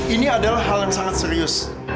ini adalah hal yang sangat serius